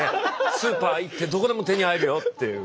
スーパー行ってどこでも手に入るよっていう。